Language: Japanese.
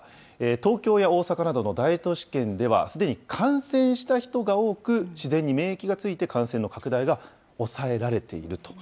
東京や大阪などの大都市圏では、すでに感染した人が多く、自然に免疫がついて、感染の拡大が抑えられていると。